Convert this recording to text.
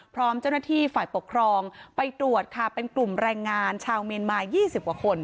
พร้อมเจ้าหน้าที่ฝ่ายปกครองไปตรวจค่ะเป็นกลุ่มแรงงานชาวเมียนมา๒๐กว่าคน